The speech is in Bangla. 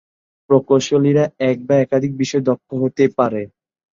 প্রকৌশলীরা এক বা একাধিক বিষয়ে দক্ষ হতে পারে।